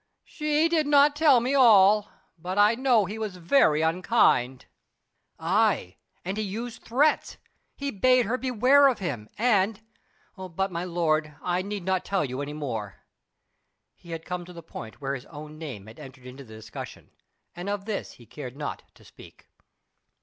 "She did not tell me all, but I know he was very unkind." "Aye, and he used threats. He bade her beware of him; and but, my lord, I need not tell you any more." He had come to the point where his own name had entered into the discussion, and of this he cared not to speak.